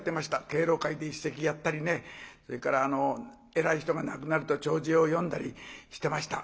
敬老会で一席やったりねそれから偉い人が亡くなると弔辞を読んだりしてました。